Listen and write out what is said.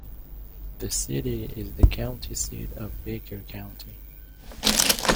The city is the county seat of Baker County.